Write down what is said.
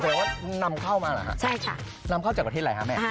ว่านำเข้ามาเหรอฮะใช่ค่ะนำเข้าจากประเทศอะไรฮะแม่